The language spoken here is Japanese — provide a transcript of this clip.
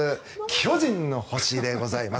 「巨人の星」でございます。